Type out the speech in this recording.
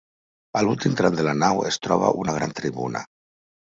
A l'últim tram de la nau es troba una gran tribuna.